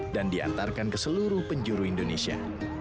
dan diantarkan ke seluruh penjuru indonesia